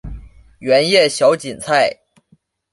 圆叶小堇菜